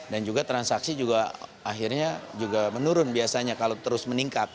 dan juga transaksi juga akhirnya juga menurun biasanya kalau terus meningkat